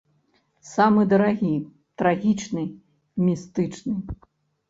Самы дарагі, трагічны, містычны.